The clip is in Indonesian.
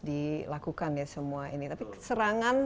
dilakukan ya semua ini tapi serangan